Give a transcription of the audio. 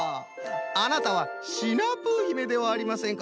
あなたはシナプーひめではありませんか。